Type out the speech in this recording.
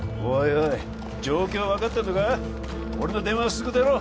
おい状況分かってんのか俺の電話はすぐ出ろ！